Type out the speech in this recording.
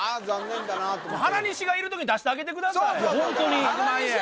原西がいる時出してあげてください！